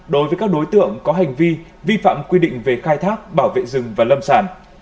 đối với các đối tượng có hành vi vi phạm quy định về khai thác bảo vệ rừng và lâm sản